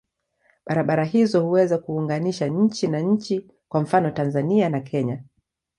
Barabara hizo huweza kuunganisha nchi na nchi, kwa mfano Tanzania na Kenya.